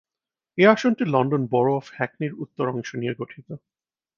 এই আসনটি London borough of হ্যাকনির উত্তর অংশ নিয়ে গঠিত।